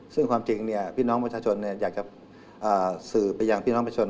ซึ่งความจริงพี่น้องประชาชนอยากจะสื่อไปยังพี่น้องประชาชน